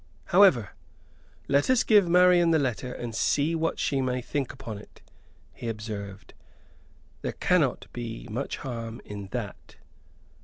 "However, let us give Marian the letter, and see what she may think upon it," he observed. "There cannot be much harm in that."